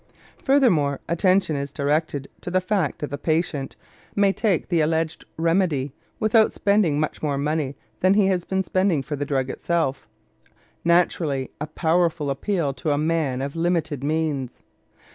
Furthermore, attention is directed to the fact that the patient may take the alleged remedy without spending much more money than he has been spending for the drug itself, naturally a powerful appeal to a man of limited means.